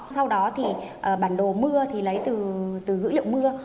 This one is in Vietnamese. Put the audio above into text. sau đó thì bản đồ mưa thì lấy từ dữ liệu mưa